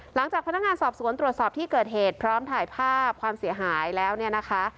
หลังจากพนักงานสอบสวนตรวจสอบที่เกิดเหตุพร้อมถ่ายภาพความเสียหายแล้วเนี่ยนะคะ